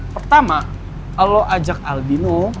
pertama lo ajak aldino